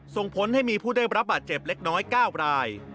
ส่งผลให้มีผู้ได้รับบาดเจ็บเล็กน้อย๙ราย